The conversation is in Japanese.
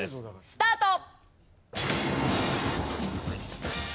スタート！